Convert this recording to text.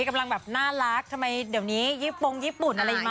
กำลังแบบน่ารักทำไมเดี๋ยวนี้ยี่ปงญี่ปุ่นอะไรอย่างนี้